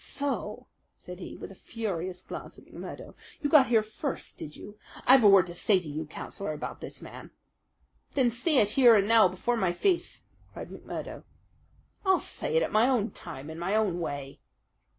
"So," said he with a furious glance at McMurdo, "you got here first, did you? I've a word to say to you, Councillor, about this man." "Then say it here and now before my face," cried McMurdo. "I'll say it at my own time, in my own way."